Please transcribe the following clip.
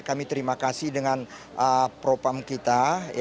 kami terima kasih dengan propam kita